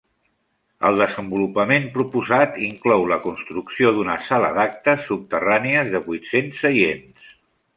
El desenvolupament proposat inclou la construcció d'una sala d'actes subterrànies de vuit-cents seients.